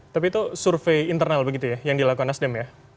tapi itu survei internal begitu ya yang dilakukan nasdem ya